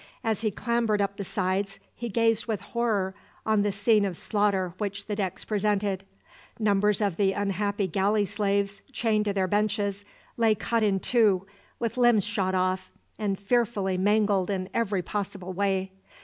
As he clambered up the sides he gazed with horror on the scene of slaughter which the decks presented. Numbers of the unhappy galley slaves, chained to their benches, lay cut in two, with limbs shot off, and fearfully mangled in every possible way.